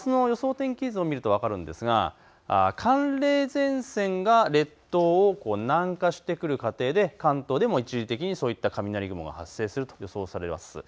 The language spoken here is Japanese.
天気図を見ると分かるんですが寒冷前線が列島を南下してくる過程で関東でも一時的にそういった雷雲が発生すると予想されます。